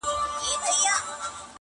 چي د بڼو پر څوکه ژوند کي دي پخلا ووینم-